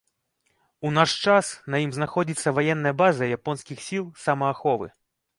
У наш час на ім знаходзіцца ваенная база японскіх сіл самааховы.